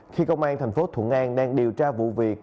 khi công an thành phố thuận an đang điều tra vụ việc